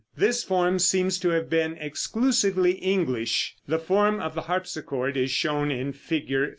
This form seems to have been exclusively English. The form of the harpsichord is shown in Fig.